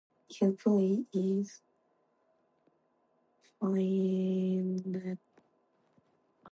If "V" is finite-dimensional then one can identify "V" with its double dual "V".